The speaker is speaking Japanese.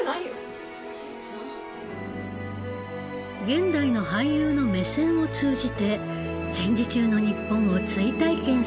現代の俳優の目線を通じて戦時中の日本を追体験する試み。